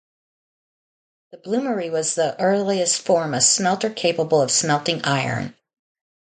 The bloomery was the earliest form of smelter capable of smelting iron.